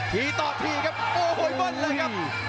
ทีต่อทีครับโอ้โหเบิ้ลเลยครับ